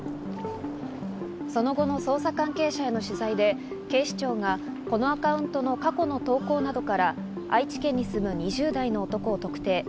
その後の捜査関係者への取材で警視庁がこのアカウントの過去の投稿などから、愛知県に住む２０代の男を特定。